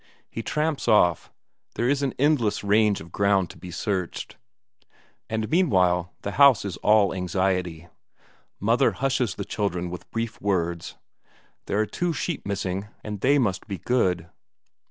He tramps off there is an endless range of ground to be searched; and, meanwhile, the house is all anxiety. Mother hushes the children with brief words; there are two sheep missing, and they must be good.